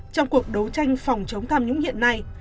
trong cuộc đấu tranh phòng chống tham nhũng hiện nay